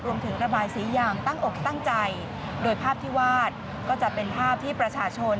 ระบายสีอย่างตั้งอกตั้งใจโดยภาพที่วาดก็จะเป็นภาพที่ประชาชน